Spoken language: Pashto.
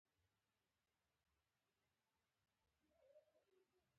په فېسبوک کې خلک د خپلو زده کړو او تجربو انځورونه شریکوي